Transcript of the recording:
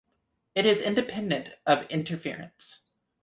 It is independent of interference.